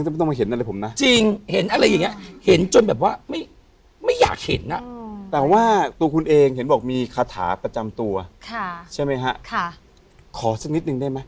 บอกว่าทุกคนโดนผีหลอกหมด